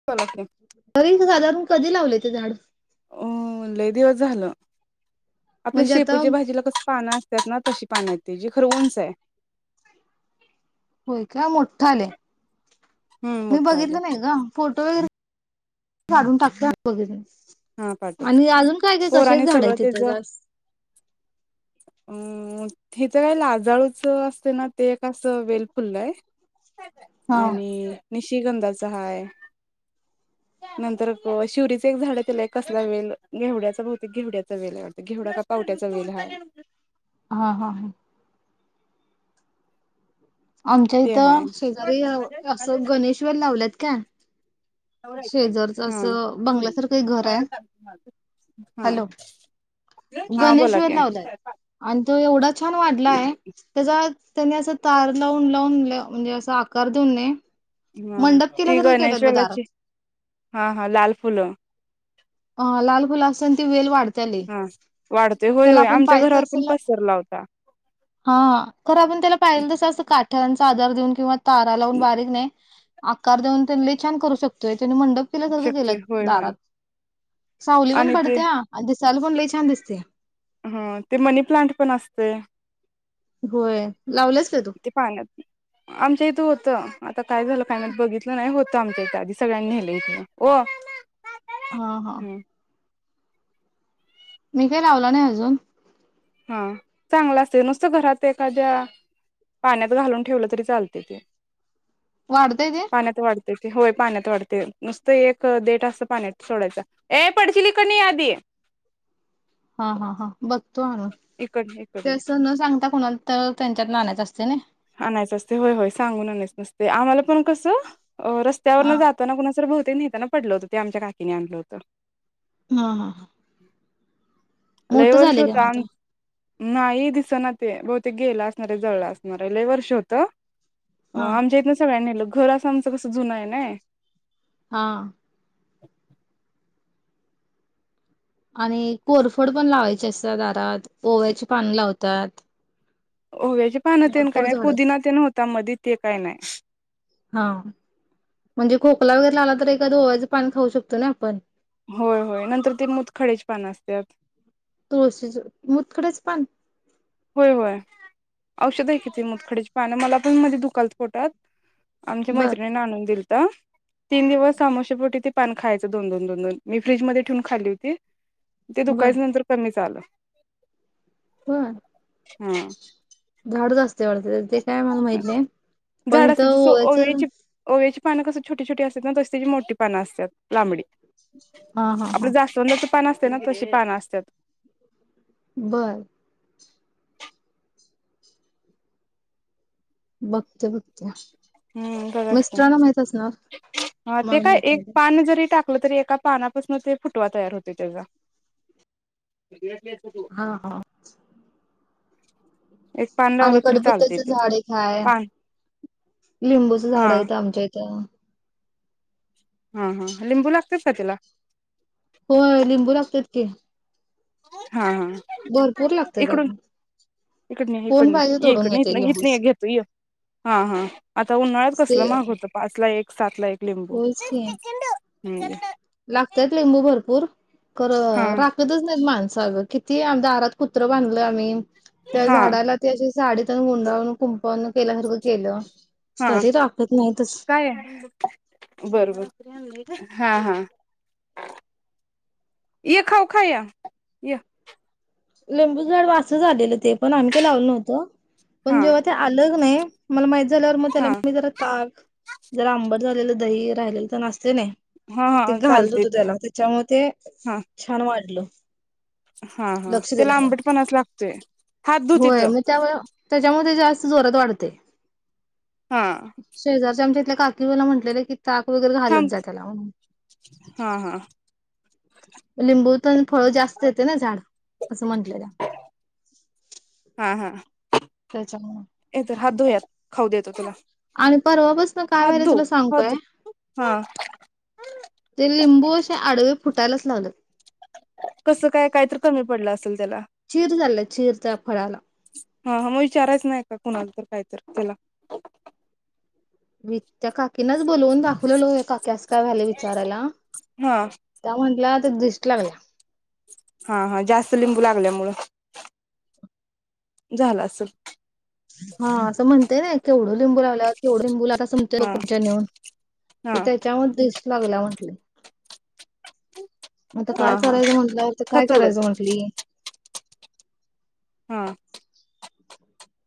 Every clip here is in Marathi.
[unintelligible] तरी साधारण कधी लावले ते झाड अ लय दिवस झालं आपल्या म्हणजे आता शेपूच्या भाजीला कस पान त्यात ना तशी पान आहेत त्यजी खर उंच आहे. होय काय मोठ्ठ आलय हम्म मी मोठं आले बघितलं नाही ग फोटो वगैरे काढून टाकते वगैरे हा पाठवते आणि अजून काय काय कश्याची पोराने झाडा सगळं आहेत तिथं जास्त हो. अ हिचं काय लाजाळूच असते ना ते असं वेलफुल्लाय. हा आणि. निशिगंधाच हाय नंतर शिवरीच एक झाड कसला वेल घेवड्याच बहुतेक घेवड्याचा वेल आहे वाटत घेवडा का पावट्याचा वेल हाय हा हा हा. आमच्या ते हाय इथं शेजारी असं गणेशवेल लावल्यात काय शेजारचं ह असं बंगल्यासारखं एक घर आहे ह. गणेश वेल लावलाय आणि तो एवढा छान वाढला आहे. त्याचा त्यानी असा तार लावून लावून म्हणजे असा आकार देऊन नये, मंडप हा ती केल्यासारखं केल्यात गणेश ब वेलाची दारात हा हा लाल फुलं अ लाल फुल असताना ती वेल वाढत्या लय वाढतोय होय होय आमच्या घरावर पण पसरला होता. हा खर आपण त्याला पाहिलं तसं असं काठ्यांचा आधार देऊन किंवा तारा लावून बारीक नाही. आकार देऊन तन लय छान करू शकतोय त्यानी मंडप केल्यासारखं शकते केल्यात होय होय दारात सावली पण आणि ते पडत्या आणि दिसायला पण लई छान दिसतय ह ते मनी प्लांट पण असतय होय लावलंस का तू ते पाण्यात आमच्या इथं होतं आता काय झालं काय माहित बघितलं नाही होतं आमच्या इथ आधी सगळ्यांनीे नेलं इथल हो हा हा मी काही लावलं नाही अजून हा चांगला असत नुसतं घरात एखाद्या पाण्यात घालून ठेवलं तरी चालते ते वाढतय ते पाण्यात वाढते होय पाण्यात वाढते नुसतं एक देठ असत पाण्यात सोडायचा ए पडशीली ईकडण ये आधी हा हा हा बघतो आणून इकडन ते इकडन असं न सांगता कोणाला. तर त्यांच्यातन आणायच असते नय. आणायचं असते होय होय सांगून आणायचं नसते आम्हाला पण कसं रस्त्यावर न हा जात. होताना कुणाच तर भवतेक नेताना पडलं होत ते आमच्या काकीने आणलं होतं. हा हा. लय मोठं वर्ष झाले काय म होतं आता आम. नाही दिस ना ते बहु ते गेलं असणारे जळलं असणारे लय वर्ष होत. हा आमच्या इथन सगळ्यांनी नेल घर असं आमचं कसं जुन आहे नाही. हा. आणि कोरफड पण लावायची असतात दारात ओव्याचे पाण लावतात. ओव्याची पानं तेन काय भरपूर नाही झाड पुदिना तेन होता मधी ते काय नाही. हा म्हणजे खोकला वगैरे आला तर एखाद ओव्याचं पान खाऊ शकतो ना आपण. होय होय नंतर ते मूत खड्याची पान असत्यात. तुळशीच मूतखडेच पान. होय होय औषध आहे कि तीे मुदखड्याची पान मला पण मध्ये दुकालत पोटात. आमच्या बर मैत्रिणीने आणून दिलंत. तीन दिवस आमोश्यापोटी ते पान खायचं दोन दोन दोन दोन मी फ्रीजमध्येे ठेवून खाल्ली होती. ते बर दुकायच नंतर कमीच आलय होय हा झाडच असतय वाटते ते काय मला माहित नाही पण झाड असते इथं जसं वोव्याच ओव्याची ओव्याची पान कसं छोटी, छोटी असत ना तर तशी त्याची मोठी पानं असत्यात लांबडी हा, हा, हा [unintelligible] पान असते ना तशी पान असत्यात बरं बघते, बघते हम्म बघा की मिस्टरांना माहित असणार ते मला काय माहित एक नाही. ते. पान जरी टाक तरी एका पानापासून ते फुटवा तयार होत त्याजा हा, हा एक पान लावलं आणि तरी चालते कडपत्त्याच ते झाड एक हाय पान लिंबूचं हा झाड हाय इथं आमच्या इथं हा, हा लिंबू लागत्यात का त्याला हो लिंबू लागतेत की हा, हा भरपूर लागते त्यात हिकडन ये, हिकडन ये ये इकडन मिळते हितनं इकड लिंबू घेत नाही घेतो ये हा, हा आता उन्हाळ्यात ते कसल महाग होत पाच ला एक, सात ला एक लिंबू हम्म लागत्यात लिंबू भरपूर कर हा राख तच नाही माणसा किती दारात कुत्रं बांधल आम्ही त्या हा झाडाला ते असं साडीतेन गुंडाळून कुंपन केल्यासारखं केलं हा तरी राखत नाहीतच काय बर, बर हा, हा ये खाऊ खाय य लिंबू झाड असच आलेलं ते पण आम्ही काय लावलो नव्हतो पण हा जेव्हा ते आलग नाही मला माहित झाल्यावर मग त्याला हा मी जरा ताक जर आंबट झालेलं दही राहिलेलं तेन असतय क नाही हा ते हा घालल चालते होत ते त्याला त्याच्यामुळे ते हा छान वाढल हा हा तेला आंबटपणाच लागतोय हात धु होय तिथं मग त्यामुळे त्याच्यामुळे ते जास्त जोरात वाढतय हा शेजारच्या आमच्या इथल्या काकी मला म्हटलेल्या कि ताक वगैरे घालत थांब जा त्याला म्हणून हा हा लिंबू तर फळ जास्त येते ना झाड असं म्हटलेल्या हा, हा त्याच्या हे तर हात धू यात खाऊ देतो तुला आणि परवा पासन काय हात व्हालं धु तुला सांगू हात काय धु हा ते लिंबूच त्या आडवे फुटायलाच लागलेत कसं काय कायतर कमी पडलं असल त्याला चीर झाल्या चीर त्या फळाला हा, हा मग विचारायच नाही का कुणाला तर काय तर त्याला मी त्या काकीनाच बोलवून दाखवलेलो आहे काक्यास काय झाले विचारायला हा त्या म्हटल्या ते द्रीष्ट लागल्या हा हा, जास्त लिंबू लागल्यामुळं, झालं असल. हा, असं म्हणतेय नाई केवढं लिंबू लागल्या तेवढं लिंबू लागल्या हा कुमच्या नऊन, हा ते त्याच्या मुळ द्रिष्ट लागल्या म्हटलं. म आता हा काय हा करायचं म्हटलं तर काय खतोडून करायचं म्हंटली. हां.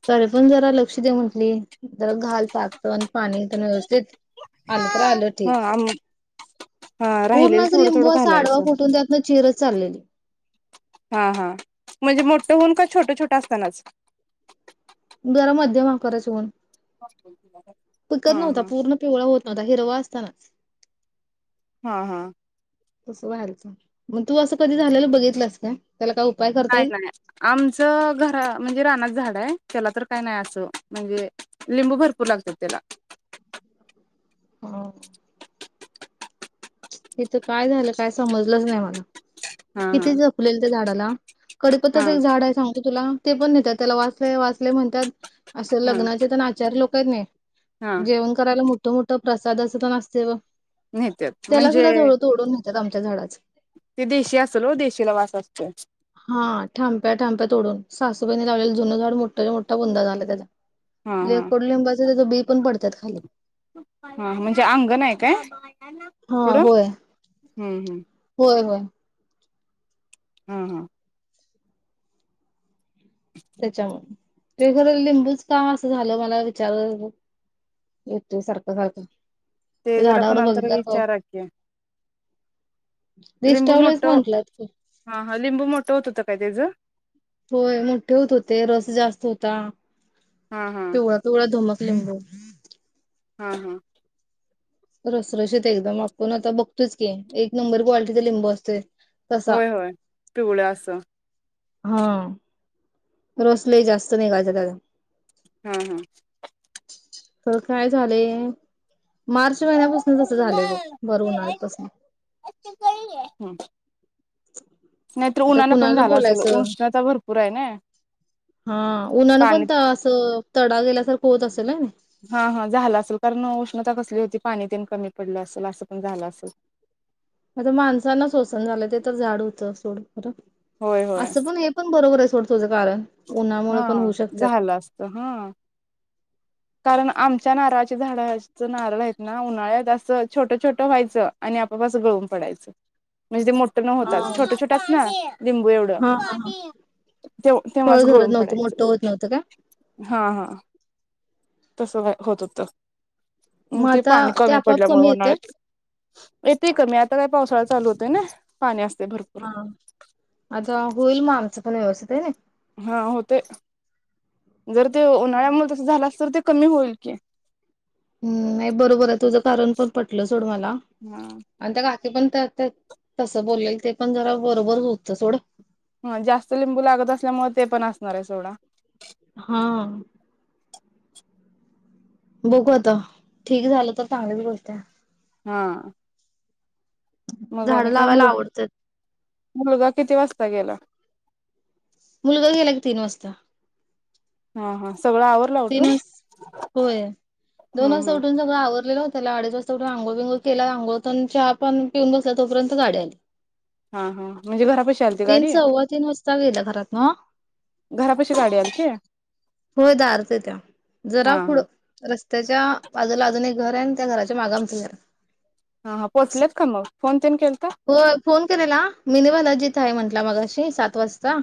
तरी पण जरा लक्ष दे म्हटली, जरा घाल साचण पाणी तण व्यवस्थित. आलं तर आलं हा ठीक,, आम हा पूर्ण राहिलेलं अस थोडं लिंबू थोडं असा आडवा घालायचं फुटून त्यात चिरच चाललेली. हा हा, म्हणजे मोठं होऊन का छोटं छोटं असतानाच. जरा मध्यम आकारच हुन, पिकत हा नव्हता हा पूर्ण पिवळा होत नव्हता, हिरवा असतानाच. हा हा. तसं व्हालतं,, मग तू असं कधी झालेलं बघितल्यास काय, त्याला काय उपाय करता नाही येईल नाही. आमचं घरा म्हणजे रानात झाड हाय, त्याला तर काय नाय असं, म्हणजे लिंबू भरपूर लागत्यात त्याला हम्म. इथं काय झालं काय समजलंच नाय मला, हा किती हा जपलेलं त्या झाडाला. हा कडिपत्ताच एक झाड हाय सांगतो तुला, ते पण लय नेत्यात, त्याला वास लय वास लय म्हणत्यात असं हा लग्नाचे तन आचारी लोकं आहेत नाही, हा जेवण करायला मोठं मोठं प्रसाद असं तन असतय बघ नेत्यात. त्याला म्हणजे सुद्धा जळू तोडून नेत्यात आमच्या झाडाचं. ते देशी असल ओ देशीला वास असतय. हा, ठांप्या ठांप्या तोडून, सासूबाईनी लावलेलं जुनं झाडं मोठाच्या मोठा बुंदा झालाय त्याचा. हा लय हा कडुलिंबाच, त्याच बी पण पडत्यात खाली. हा, म्हणजे अंगण हाय काय. हा पुढं होय, हम्म हम्म होय होय. हं हं. त्याच्यामुळं, ते खर लिंबूच का असं झालं मला विचार येतूय सारखं सारखं, त्या ते जरा झाडाकडं कुणाला तरी बघितल्या विचारा की लिंबू मोठं, म्हंटलं. हा हा, लिंबू मोठं होत होतं काय त्याच. होय मोठे होत होते, रस जास्त होता, हा हा पिवळा पिवळा धम्मक लिंबू हा हा. रसरशीेत एकदम, आपण आता बघतोयच की, एक नंबर क्वालिटीचा लिंबू असतूय. तसा. होय होय पिवळं असं हा, रस लय जास्त निगायचा तजा. हा हा. खरं काय झालय, मार्च महिन्यापासनं तसं झालय बघ, भर उन्हाळ्यापासनं हम्म. नाहीतर आता उन्हानं पण कुणाला झालं असल, बोलायचं उष्णता भरपूर हाय नाई. हा उन्हानं पण असं, तडा गेल्यासारखं होत असेल ह नाई. हा हा झालं असल, कारण उष्णता कसली होती, पाणी तेन कमी पडलं असल, असं पण झालं असल. आता माणसांना सोसना झालय ते तर झाड हुतं सोड खरं, होय होय असं पण हे पण बरोबर आहे सोड तुझ कारण, उन्हामुळे पण हु शकतत. त हां कारण आमच्या नारळाच्या झाडाचं नारळ हायेत ना, उन्हाळ्यात असं छोटं छोटं व्हायचं. आणि आपापास गळून पडायचं, म्हणजे ते मोठ न हा होताच छोटं छोटंच ना लिंबू एवढं. तेव फळ तेव्हाच धरत गळून नव्हतं मोठं होत पडायचं नव्हतं काय हा हा. तसं का होत होतं, मग ते आता पाणी ते कमी आपोआप पडल्यामुळे कमी येते उन्हाळ्यात. येतेय कमी, आता काय पावसाळा चालू होतोय ना. पाणी असतय भरप हा आता होईल मं आमचं पण व्यवस्थित आहे ना. हा होतेय. जर ते उन्हाळ्यामुळे तसं झालास, तर ते कमी होईल की. हम् नाही बरोबर आहे, तुझं कारण पण पटलं सोड मला. हा आणि त्या काकीे पण त्या त्या तसं बोललेल, ते पण जरा बरोबर होतं सोड. हं जास्त लिंबू लागत असल्यामुळे ते पण असणार आहे सोडा. हां. बघू आता, ठीक झालं तर चांगली च गोष्टये. हां मग आणि झाडं काय लावायला मुलं, आवडतात मुलगा किती वाजता गेला? मुलगा गेला की तीन वाजता. हा हा सगळं आवर तीन वास, होय दोन हम्म वाजता हम्म उठून जाऊ. त्याचं आवरलेलं होतं. त्याला अडीच वाजता अंघोळ बिंघोळ केल्यावर अंघोळ तं चहा पण पिऊन बसला, तोपर्यंत गाडी आली. हा हा म्हणजे घरापशी आलती तीन गाडी? सव्वा तीन वाजता गेला घरात ना घरापशी गाडी आलती? होय दारते त्या, जरा हा पुढं रस्त्याच्या बाजूला अजून एक घर आहे, अन त्या घराच्या मागं आमचं घरये. हं हं पोचलेत का मग? फोन तेन केलता? हो फोन केलेला, मीनिवाला जिथं आहे म्हंटला मगाशी सात वाजता.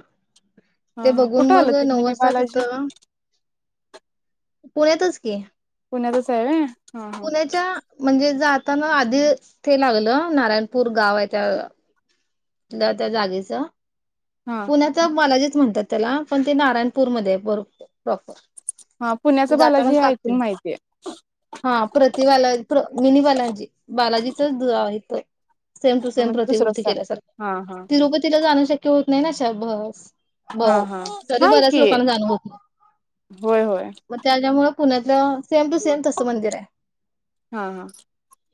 हा ते हा बघून कुठं आलं मग ते नऊ मिनी वाजता बालाजी तिथं पुण्यातच की पुण्यातच हाय व्हय? हा हा पुण्याच्या म्हणजे जाताना आधी ते लागलं, नारायणपूर गाव आहे त्या ल त्या जागेचं हा तर बालाजीच म्हणतात त्याला, पण ते नाराणपूरमधे आहे बरो प्रॉपर. हा पुण्याचा ते बालाजी जातानाच हे लागते ऐकून माहितीय. हा प्रति बालाजी, मिनी बालाजी बालाजीचंच दु आहे त. सेम टू आहे सेम म्हणजे दुसरं प्रतिकृती स्थान केल्यासारखं. हा हा तिरुपतीला जाणं शक्य होत नाही ना शबस ब हा हा तरी थांब बऱ्याच की लोकांना जाण होत नही, होय होय मग त्याच्यामुळं पुण्यातलं सेम टू सेम तसं मंदिर आहे. हा हा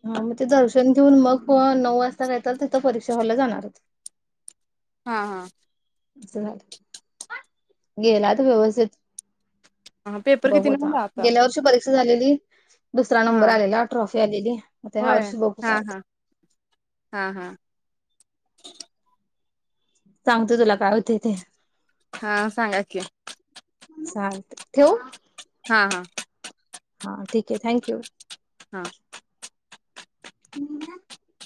हा म ते दर्शन घेऊन मग, नऊ वाजता कायतरी तिथं परीक्षा हॉलला जाणार होते. हा हा अस झालं गेलात व्यवस्थित? हा पेपर किती बघु आता, नऊला गेल्या वर्षी परीक्ष झालेली दुसरा हा नंबर आलेला, ट्रॉफी आलेली, म ते ह्या होय वर्षी बघु हा कायेते. हा हा हा सांगत तुला काय होतंय ते. हा सांगा की. चाल, ठेवु? हा हा. हा ठीक आहे थँक्यू. हा.